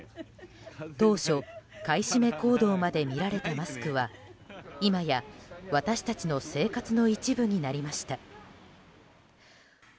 当初、買い占め行動まで見られたマスクは今や、私たちの生活の一部になりました。